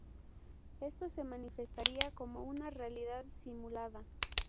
Esto se manifestaría como una realidad simulada.